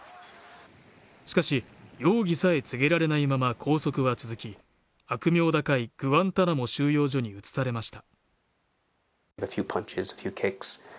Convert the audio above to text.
しかし容疑さえ告げられないまま拘束は続き悪名高いグアンタナモ収容所に移されました。